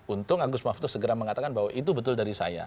untung agus maftus segera mengatakan bahwa itu betul dari saya